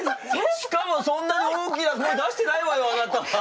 しかもそんなに大きな声出してないわよあなた！